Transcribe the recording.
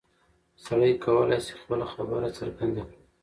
سړی کولی شي خپله خبره څرګنده کړي.